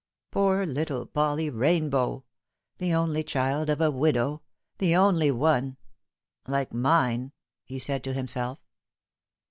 " Poor little Polly Eainbow ; the only child of a v/idow ; tho only one ; like mine," he said to himself.